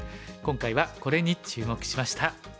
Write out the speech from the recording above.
今回はこれに注目しました。